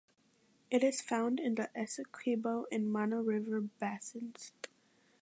It is found in the Essequibo and Mana River basins.